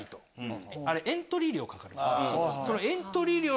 エントリー料かかるんです。